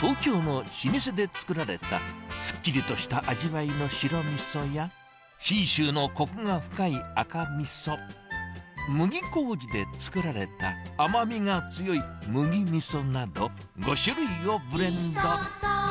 東京の老舗で作られたすっきりとした味わいの白みそや、信州のこくが深い赤みそ、麦こうじでつくられた、甘みが強い麦みそなど、５種類をブレンド。